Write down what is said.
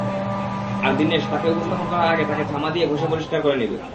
আর দীনেশ, তাকে উপস্থাপন করার আগে তাকে ঝামা দিয়ে ঘষে পরিষ্কার করে নিবে।